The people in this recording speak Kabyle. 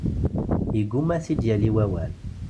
Yeggumma ad t-id-yali wawal.